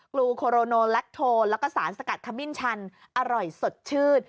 กลูโคโรโนลัคโทลกลูกระปะสารสกัดขมิ้นชันอร่อยสดชื่น